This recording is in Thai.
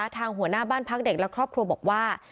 ทางหัวหน้าบ้านพักเด็กและครอบครัวบอกว่า